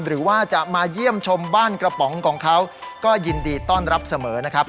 หรือว่าจะมาเยี่ยมชมบ้านกระป๋องของเขาก็ยินดีต้อนรับเสมอนะครับ